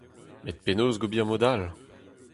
Met penaos ober mod-all ?